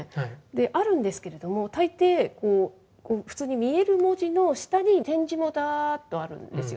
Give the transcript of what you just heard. あるんですけれども、大抵、普通に見える文字の下に点字がだーっとあるんですよ。